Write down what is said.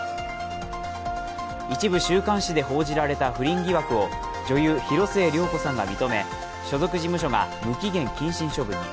一部週刊誌で報じられた不倫疑惑を女優・広末涼子さんが認め所属事務所が無期限謹慎処分に。